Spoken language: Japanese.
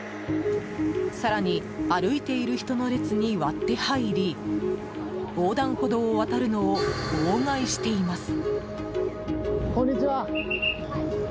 更に、歩いている人の列に割って入り横断歩道を渡るのを妨害しています。